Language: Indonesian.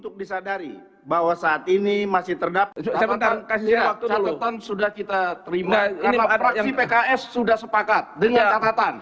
karena praksi pks sudah sepakat dengan catatan